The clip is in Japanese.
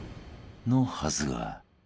［のはずが］